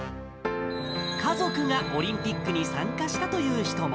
家族がオリンピックに参加したという人も。